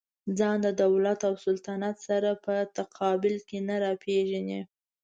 ځان د دولت او سلطنت سره په تقابل کې نه راپېژني.